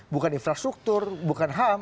bukan infrastruktur bukan ham